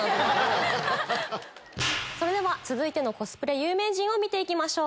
それでは続いてのコスプレ有名人見ていきましょう。